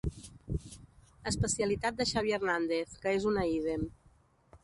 Especialitat de Xavi Hernández que és una ídem.